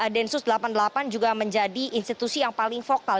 densus delapan puluh delapan juga menjadi institusi yang paling vokal